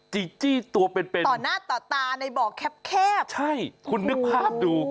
จีจี้ตัวเป็นเป็นต่อหน้าต่อตาในบ่อแคบแคบใช่คุณนึกภาพดู